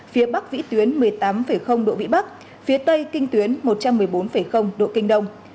phía bắc vĩ tuyến một mươi tám độ vĩ bắc phía tây kinh tuyến một trăm một mươi bốn độ kinh đông